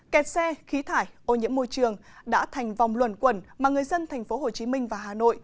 kẹt xe khí thải ô nhiễm môi trường đã thành vòng luẩn quẩn mà người dân tp hcm và hà nội